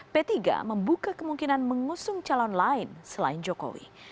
p tiga membuka kemungkinan mengusung calon lain selain jokowi